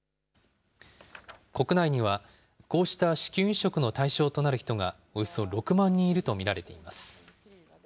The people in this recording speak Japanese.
国内にはこうした子宮移植の対象となる人がおよそ６万人いると見られています。